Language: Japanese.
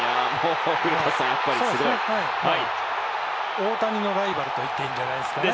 大谷のライバルといっていいんじゃないですかね。